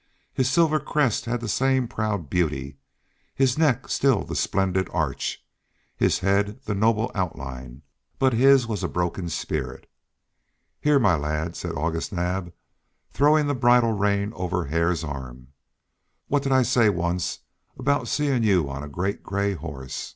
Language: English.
His silver crest had the same proud beauty, his neck still the splendid arch, his head the noble outline, but his was a broken spirit. "Here, my lad," said August Naab, throwing the bridle rein over Hare's arm. "What did I say once about seeing you on a great gray horse?